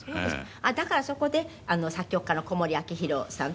だからそこで作曲家の小森昭宏さんと。